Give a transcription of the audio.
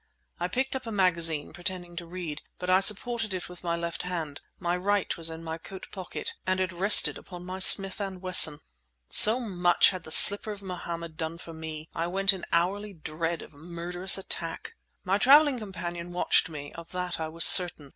I picked up a magazine, pretending to read. But I supported it with my left hand; my right was in my coat pocket—and it rested upon my Smith and Wesson! So much had the slipper of Mohammed done for me: I went in hourly dread of murderous attack! My travelling companion watched me; of that I was certain.